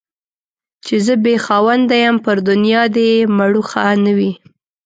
چي زه بې خاونده يم ، پر دنيا دي مړوښه نه وي.